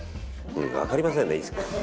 分かりませんね。